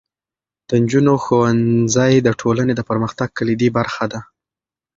د نجونو ښوونځی د ټولنې د پرمختګ کلیدي برخه ده.